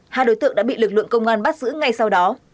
hai đối tượng đã bị lực lượng công an bắt giữ ngay sau đó